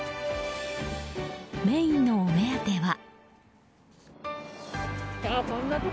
メインのお目当ては。